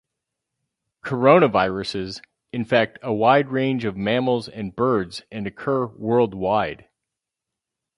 Coronaviruses infect a wide range of mammals and birds and occur worldwide.